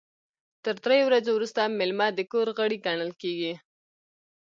تر دریو ورځو وروسته میلمه د کور غړی ګڼل کیږي.